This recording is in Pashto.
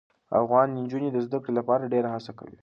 افغان نجونې د زده کړې لپاره ډېره هڅه کوي.